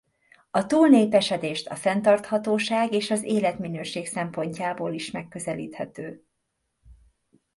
A túlnépesedést a fenntarthatóság és az életminőség szempontjából is megközelíthető.